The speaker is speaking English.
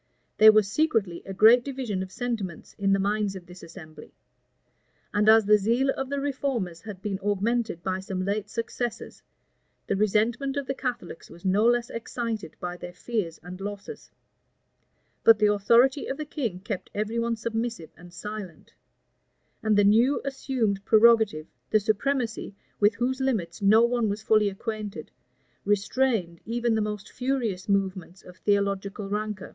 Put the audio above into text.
There was secretly a great division of sentiments in the minds of this assembly; and as the zeal of the reformers had been augmented by some late successes, the resentment of the Catholics was no less excited by their fears and losses: but the authority of the king kept every one submissive and silent; and the new assumed prerogative, the supremacy, with whose limits no one was fully acquainted, restrained even the most furious movements of theological rancor.